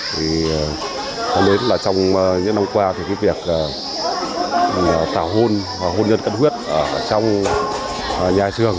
thế nên là trong những năm qua thì cái việc tảo hôn hôn nhân cân huyết ở trong nhà trường